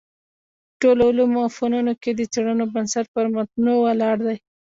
د ټولو علومو او فنونو کي د څېړنو بنسټ پر متونو ولاړ دﺉ.